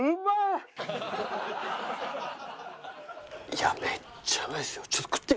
いやめっちゃうまいですよ。